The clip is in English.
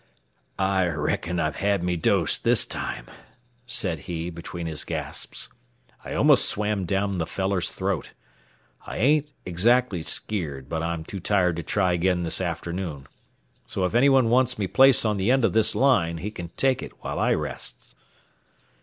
"I reckon I've had me dose this time," said he, between his gasps; "I almost swam down the feller's throat. I ain't exactly skeered, but I'm too tired to try agin this afternoon, so if any one wants me place on the end o' this line, he can take it while I rests."